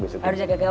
harus jaga gawang